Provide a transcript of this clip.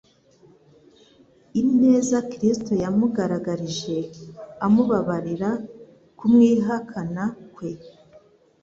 Ineza Kristo yamugaragarije amubabarira, kumwihakana kwe,